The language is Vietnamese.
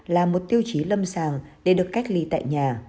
là một tiêu chí lâm sàng để được cách ly tại nhà